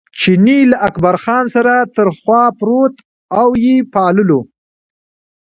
چیني له اکبرجان سره تر خوا پروت او یې پاللو.